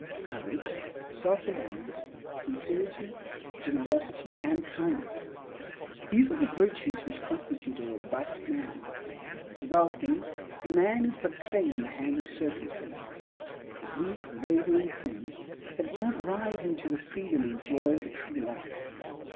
Courage, self reliance, sincerity, generosity and kindness—these are the virtues which constitute a robust manhood. Without them, a man is but clay in the hands of circumstances; a weak, wavering thing that cannot rise into the freedom and joy of a true life.